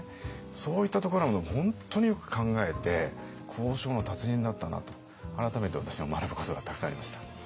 そういったところを本当によく考えて交渉の達人だったなと改めて私は学ぶことがたくさんありました。